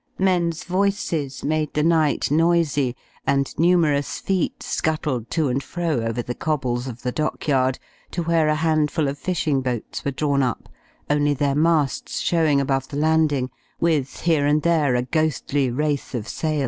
Men's voices made the night noisy, and numerous feet scuttled to and fro over the cobbles of the dockyard to where a handful of fishing boats were drawn up, only their masts showing above the landing, with here and there a ghostly wraith of sail.